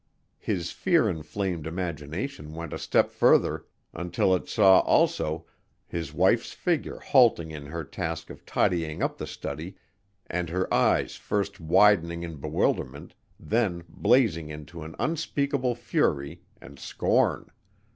His fear inflamed imagination went a step further until it saw also his wife's figure halting in her task of tidying up the study and her eyes first widening in bewilderment, then blazing into an unspeakable fury and scorn.